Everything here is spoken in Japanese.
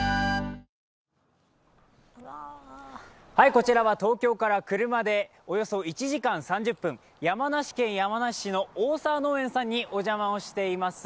こちらは東京から車でおよそ１時間３０分山梨県山梨市の大沢農園さんにお邪魔をしています。